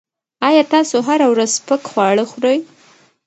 ایا تاسو هره ورځ سپک خواړه خوري؟